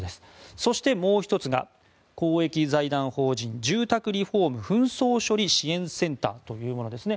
そして、もう１つが公益財団法人の住宅リフォーム・紛争処理支援センターというものですね。